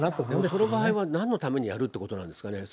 その場合はなんのためにやるということなんですかね。